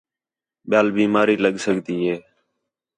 ٻِیال بیماری لگ سڳدی ہے